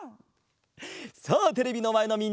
さあテレビのまえのみんな！